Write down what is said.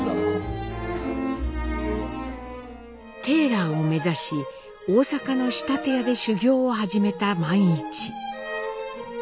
テーラーを目指し大阪の仕立屋で修業を始めた萬一。